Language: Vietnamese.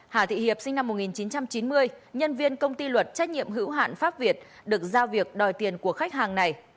hà thị hiệp sinh năm một nghìn chín trăm chín mươi nhân viên công ty luật trách nhiệm hữu hạn pháp việt được giao việc đòi tiền của khách hàng này